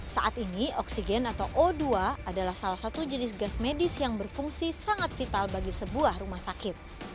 saat ini oksigen atau o dua adalah salah satu jenis gas medis yang berfungsi sangat vital bagi sebuah rumah sakit